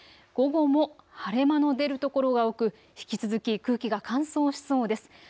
午後も晴れ間の出る所が多く引き続き空気が乾燥しそうです。